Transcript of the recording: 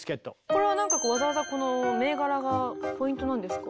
これはなんかわざわざこの銘柄がポイントなんですか？